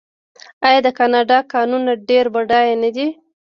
آیا د کاناډا کانونه ډیر بډایه نه دي؟